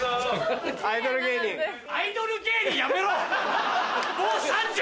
「アイドル芸人」やめろ！